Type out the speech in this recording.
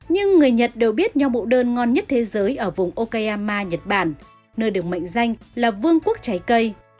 nhưng người nhật đều biết nho mẫu đơn ngon nhất thế giới ở vùng okayama nhật bản nơi được mệnh danh là vương quốc trái cây